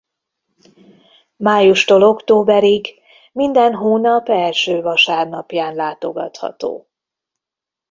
Májustól októberig minden hónap első vasárnapján látogatható.